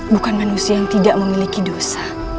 bukan manusia yang tidak memiliki dosa